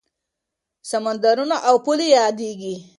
سمندرونه او پولې یادېږي.